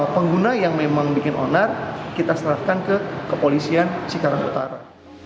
pengguna yang memang bikin onar kita serahkan ke kepolisian cikarang utara